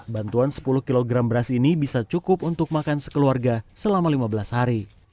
bantuan sepuluh kg beras ini bisa cukup untuk makan sekeluarga selama lima belas hari